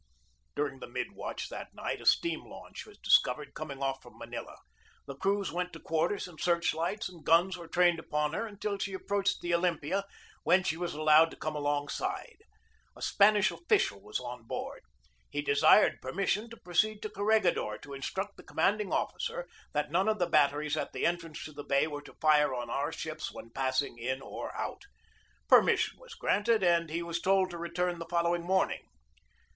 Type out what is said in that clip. During the mid watch that night a steam launch was discovered coming off from Manila. The crews went to quarters and search lights and guns were trained upon her until she approached the Olympia, when she was allowed to come alongside. A Span ish official was on board. He desired permission to proceed to Corregidor to instruct the commanding officer that none of the batteries at the entrance to 226 GEORGE DEWEY the bay were to fire on our ships when passing in or out. Permission was granted and he was told to return the following morning.